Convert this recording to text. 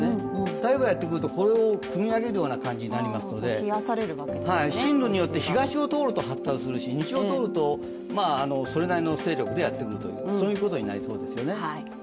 台風がやってくると、これをくみ上げるような感じになりますので進路によって東を通ると発達するし西を通るとそれなりの勢力でやってくるということになりそうですね。